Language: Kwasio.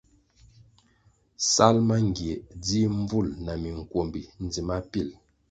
Sal mangie dzih mbvúl na minkwombi ndzima pil.